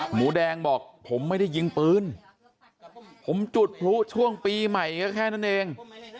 หมูแดงบอกผมไม่ได้ยิงปืนผมจุดพลุช่วงปีใหม่ก็แค่นั้นเอง